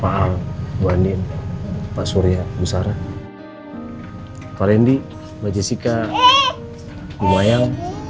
pak ang bu anin pak surya bu sarah pak randy mbak jessica bu mayang